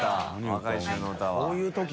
若い衆の歌は。